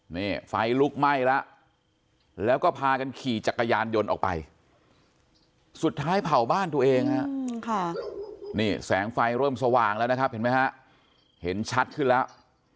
นี่ไฟลุกไหม้แล้วแล้วก็พากันขี่จักรยานยนต์ออกไปสุดท้ายเผาบ้านตัวเองฮะนี่แสงไฟเริ่มสว่างแล้วนะครับเห็นไหมฮะเห็นชัดขึ้นแล้ว